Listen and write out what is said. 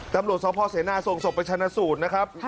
ตำรวจท้องพ่อเสนาส่งศพไปชนะศูนย์นะครับ